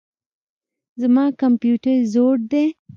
زما کمپيوټر زوړ دئ.